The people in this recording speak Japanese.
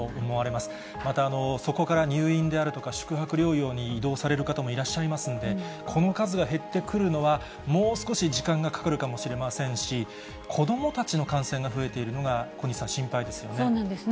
また、そこから入院であるとか、宿泊療養に移動される方もいらっしゃいますんで、この数が減ってくるのは、もう少し時間がかかるかもしれませんし、子どもたちの感染が増えているのが、小西さん、心配ですよね。